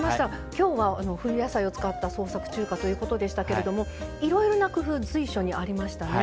今日は冬野菜を使った創作中華ということでしたけれどもいろいろな工夫随所にありましたね。